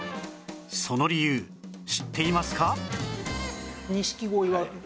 その理由知っていますか？